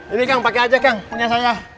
ini kang pakai aja kang punya saya